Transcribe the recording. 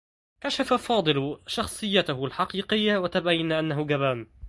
كشف فاضل شخصيته الحقيقية و تبيّن أنّه جبان.